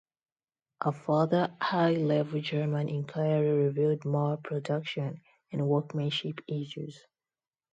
A further high level German inquiry revealed more production and workmanship issues.